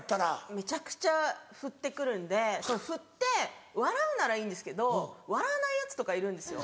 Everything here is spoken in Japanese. めっちゃくちゃふって来るんでふって笑うならいいんですけど笑わないヤツとかいるんですよ